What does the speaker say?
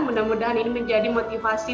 mudah mudahan ini menjadi motivasi